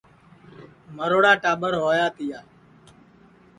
مروڑا ٹاٻر ہویا تِیا